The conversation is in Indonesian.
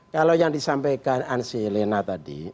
kalau yang disampaikan ansy lena tadi